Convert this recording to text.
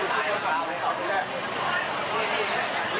ทุกตัวฝั่งเป็นที่จะตั้งได้ถือทำไป